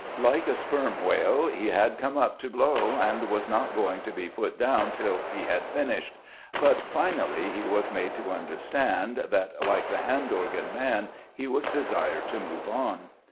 Like a sperm whale, he had come up to blow, and was not going to be put down till he had fin ished ; but finally he was made to understand that, like the hand organ man, he was desired to move on.